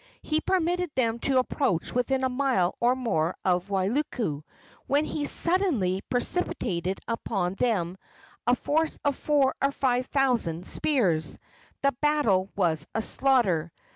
He permitted them to approach within a mile or more of Wailuku, when he suddenly precipitated upon them a force of four or five thousand spears. The battle was a slaughter.